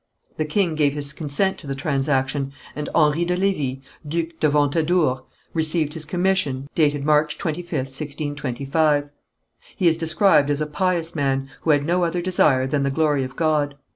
The king gave his assent to the transaction, and Henri de Lévis, duc de Ventadour, received his commission, dated March 25th, 1625. He is described as a pious man, who had no other desire than the glory of God.